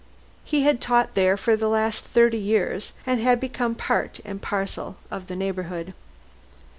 He had taught here for the last thirty years, and had become part and parcel of the neighborhood.